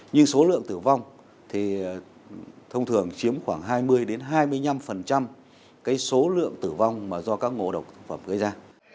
nhưng số lượng tử vong thì thông thường chiếm khoảng hai mươi hai mươi năm số lượng tử vong mà do các ngộ độc thực phẩm gây ra